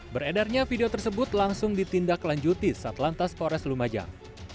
beredarnya video tersebut langsung ditindak lanjuti saat lantas poras lumajang